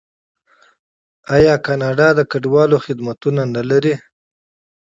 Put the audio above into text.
آیا کاناډا د کډوالو خدمتونه نلري؟